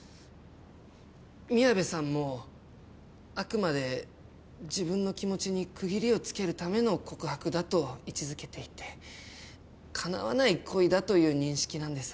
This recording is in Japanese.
宮部さんもあくまで自分の気持ちに区切りをつけるための告白だと位置づけていて叶わない恋だという認識なんです。